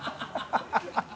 ハハハ